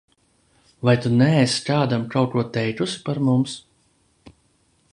Vai tu neesi kādam kaut ko teikusi par mums?